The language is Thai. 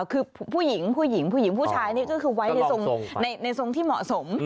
คือผู้หญิงผู้หญิงผู้หญิงผู้ชายนี่ก็คือไว้ในทรงที่เหมาะสม